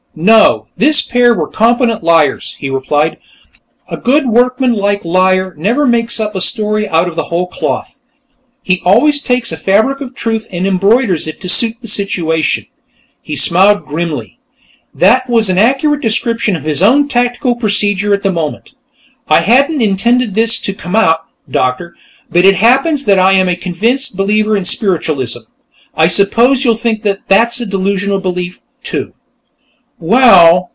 "No, this pair were competent liars," he replied. "A good workmanlike liar never makes up a story out of the whole cloth; he always takes a fabric of truth and embroiders it to suit the situation." He smiled grimly; that was an accurate description of his own tactical procedure at the moment. "I hadn't intended this to come out, Doctor, but it happens that I am a convinced believer in spiritualism. I suppose you'll think that's a delusional belief, too?" "Well...."